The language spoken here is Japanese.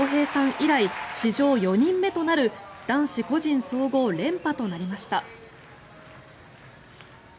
以来史上４人目となる男子個人総合連覇となりました。